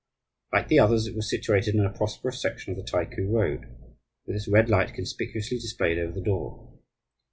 Like the others, it was situated in a prosperous section of the Taiku Road, with its red light conspicuously displayed over the door.